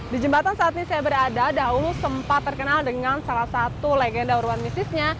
di jembatan saat ini saya berada dahulu sempat terkenal dengan salah satu legenda uruan misisnya